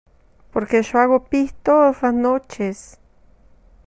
porque yo hago pis todas las noches.